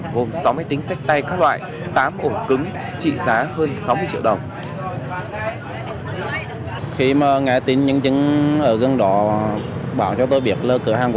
gồm sáu máy tính sách tay các loại tám ổ cứng trị giá hơn sáu mươi triệu đồng